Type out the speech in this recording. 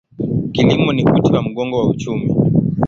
Kilimo ni uti wa mgongo wa uchumi.